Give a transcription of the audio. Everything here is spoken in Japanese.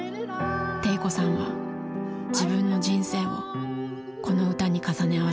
悌子さんは自分の人生をこの歌に重ね合わせていた。